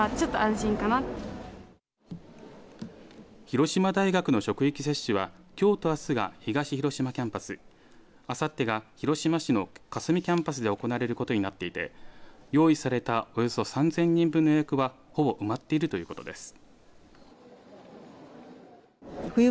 広島大学の職域接種はきょうとあすが広島キャンパスあさっては広島市の霞キャンパスで行われることになっていて用意されたおよそ３０００人分の予約は、ほぼ埋まっているということです。